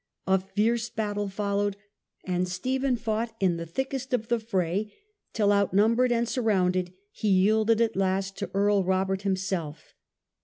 A fierce battle followed, and Stephen fought in the thickest of the fray, till outnumbered and surrounded capture of he yielded at last to Earl Robert himself.